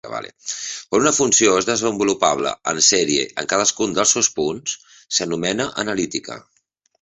Quan una funció és desenvolupable en sèrie en cadascun dels seus punts, s'anomena analítica.